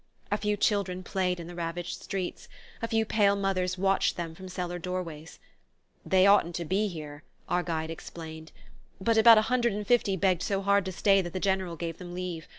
A few children played in the ravaged streets; a few pale mothers watched them from cellar doorways. "They oughtn't to be here," our guide explained; "but about a hundred and fifty begged so hard to stay that the General gave them leave.